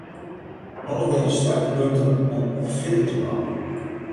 Allegearre sterke punten om op fierder te bouwen.